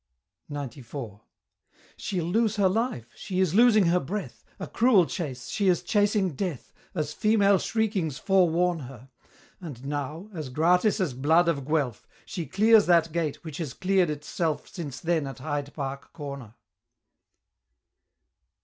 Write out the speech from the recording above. XCIV. She'll lose her life! she is losing her breath! A cruel chase, she is chasing Death, As female shriekings forewarn her: And now as gratis as blood of Guelph She clears that gate, which has clear'd itself Since then, at Hyde Park Corner!